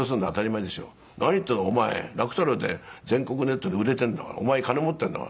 お前楽太郎で全国ネットで売れているんだからお前金持ってんだから。